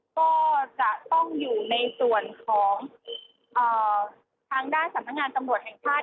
ก็จะต้องอยู่ในส่วนของทางด้านสำนักงานตำรวจแห่งชาติ